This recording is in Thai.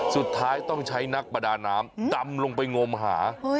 สุดท้ายต้องใช้นักประดาน้ำดำลงไปงมหา